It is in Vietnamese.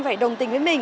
phải đồng tình với mình